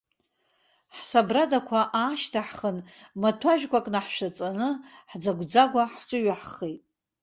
Ҳсабрадақәа аашьҭаҳхын, маҭәажәқәак наҳашәҵаны, ҳӡагә-ӡагәуа ҳҿыҩаҳхеит.